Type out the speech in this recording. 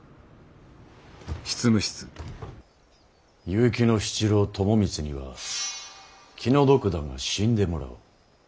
結城七郎朝光には気の毒だが死んでもらおう。